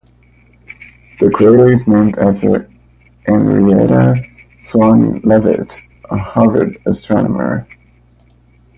The crater is named after Henrietta Swan Leavitt, a Harvard astronomer.